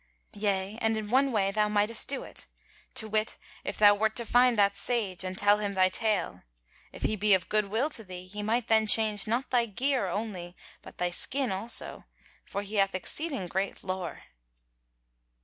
Yea, and in one way thou mightest do it; to wit, if thou wert to find that Sage, and tell him thy tale: if he be of good will to thee, he might then change not thy gear only, but thy skin also; for he hath exceeding great lore."